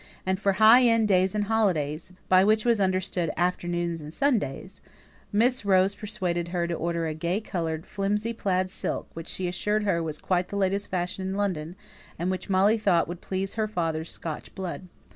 And for high days and holidays by which was understood afternoons and Sundays Miss Rose persuaded her to order a gay coloured flimsy plaid silk, which she assured her was quite the latest fashion in London, and which Molly thought would please her father's Scotch blood.